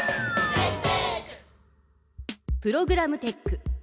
プログラムテック。